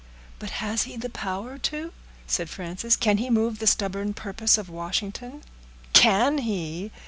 "But has he the power to?" said Frances. "Can he move the stubborn purpose of Washington?" "Can he?